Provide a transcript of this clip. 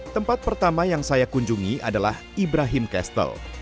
tempat pertama yang saya kunjungi adalah ibrahim castle